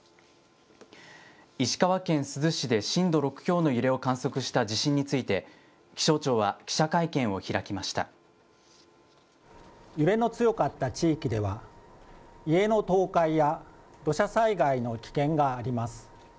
石川県珠洲市で震度６強の揺れを観測した地震について、気象庁は揺れの強かった地域では、家の倒壊や土砂災害の危険があります。